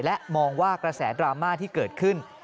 และมองว่ากระแสดราม่าที่เกิดขึ้น